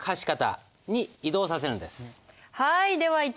はい。